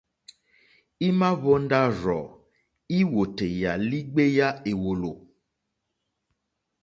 Ima hvonda rzɔ̀ i wòtèyà li gbeya èwòlò.